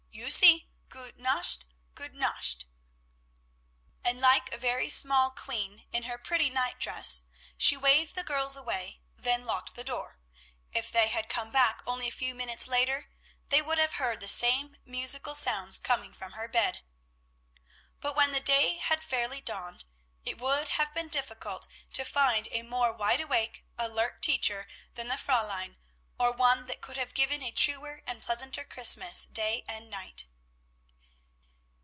You see! gute nacht! gute nacht!" And like a very small queen, in her pretty nightdress, she waved the girls away, then locked her door; if they had come back only a few minutes later, they would have heard the same musical sounds coming from her bed. But when the day had fairly dawned, it would have been difficult to find a more wide awake, alert teacher than the Fräulein, or one that could have given a truer and pleasanter Christmas day and night.